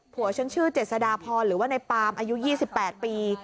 ฉันชื่อเจษฎาพรหรือว่าในปามอายุ๒๘ปี